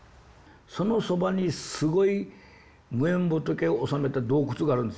そのそばにすごい無縁仏を納めた洞窟があるんですよ。